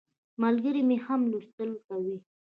ملګری مې هم لوستل کوي.